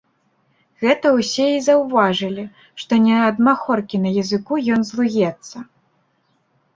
Гэта ўсе і заўважылі, што не ад махоркі на языку ён злуецца.